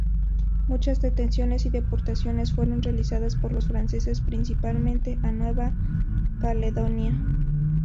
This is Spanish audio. Muchas detenciones y deportaciones fueron realizadas por los franceses, principalmente a Nueva Caledonia.